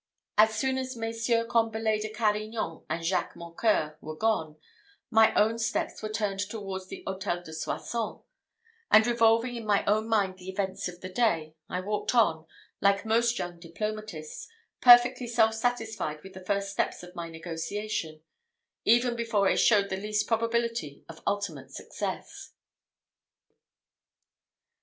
As soon as Messieurs Combalet de Carignan and Jacques Mocqueur were gone, my own steps were turned towards the Hôtel de Soissons; and revolving in my own mind the events of the day, I walked on, like most young diplomatists, perfectly self satisfied with the first steps of my negotiation, even before it showed the least probability of ultimate success.